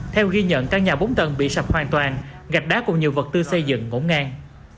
theo ghi nhận căn nhà bốn tầng bị sập hoàn toàn gạch đá cùng nhiều vật tư xây dựng ngỗ ngang